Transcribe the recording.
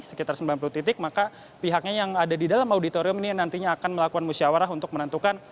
sekitar sembilan puluh titik maka pihaknya yang ada di dalam auditorium ini nantinya akan melakukan musyawarah untuk menentukan